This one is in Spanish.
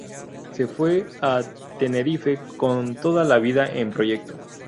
Se fue a Tenerife con toda la vida en proyecto.